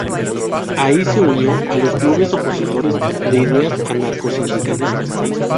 Ahí se unió a los clubes opositores de ideas anarcosindicalistas.